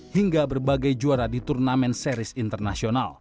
hingga berbagai juara di turnamen seri